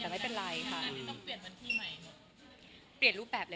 ไม่เป็นไร